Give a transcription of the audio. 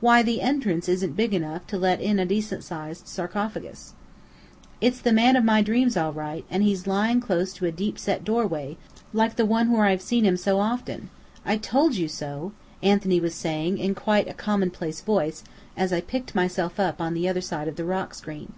"Why, the entrance isn't big enough to let in a decent sized sarcophagus." "It's the man of my dreams all right, and he's lying close to a deep set doorway, like the one where I've seen him often. I told you so!" Anthony was saying in quite a commonplace voice, as I picked myself up, on the other side of the rock screen.